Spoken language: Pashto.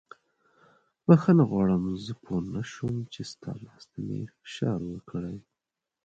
بښنه غواړم زه پوه نه شوم چې ستا لاس ته مې فشار ورکړی.